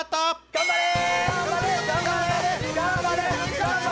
頑張れ！